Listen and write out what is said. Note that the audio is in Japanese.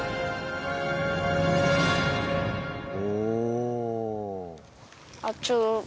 お。